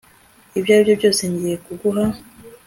ibyo aribyo byose ngiye kuguha